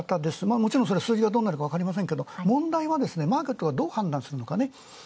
もちろん数字がどうなるかわかりませんけど問題はですね、マーケットがどう判断するのか。